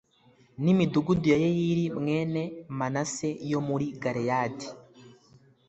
n’imidugudu ya Yayiri mwene Manase yo muri Galeyadi